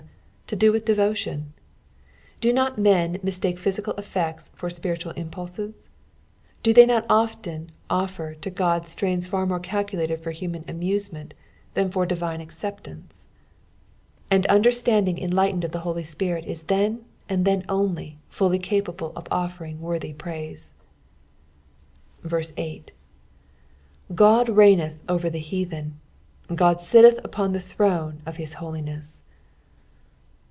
to do with devotion t Do not men mistake pbyaical effects for ■piritual impulses ? Do they not often offer to Qod strains far more calculated for humuu amusement than for divine acceptance I And understanding en liglitened of the IIolj Spirit is then and then only fully capable of o&ring worthy jHaise. 8 God reigneth over the heathen : God sitteth upon the throne of his holiness.